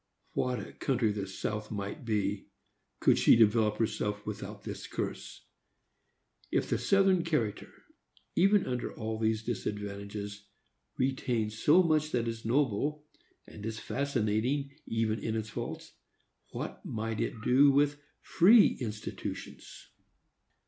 What a country the South might be, could she develop herself without this curse! If the Southern character, even under all these disadvantages, retains so much that is noble, and is fascinating even in its faults, what might it do with free institutions?